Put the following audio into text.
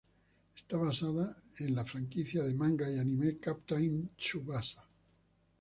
Está basado en la franquicia de manga y anime "Captain Tsubasa".